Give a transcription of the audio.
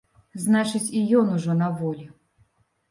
Значыць, і ён ужо на волі.